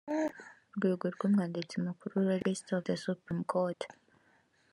rwego rwa g iv umwanditsi mukuru registrar of the supreme court